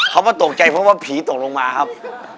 เขามาตกใจเพราะว่าผีตกลงมาครับ